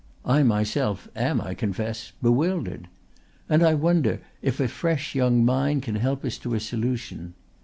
I myself am, I confess, bewildered. And I wonder if a fresh young mind can help us to a solution."